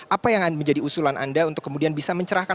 apa yang menjadi usulan anda untuk kemudian bisa mencerahkan